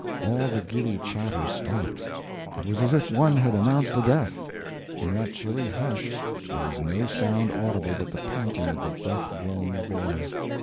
All the giddy chatter stopped. It was as if one had announced a death. In that chilly hush there was no sound audible but the panting of the breath blown boy.